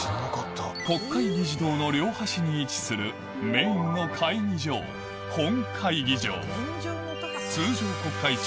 国会議事堂の両端に位置するメインの会議場あそこ。